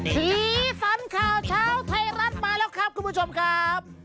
สีสันข่าวเช้าไทยรัฐมาแล้วครับคุณผู้ชมครับ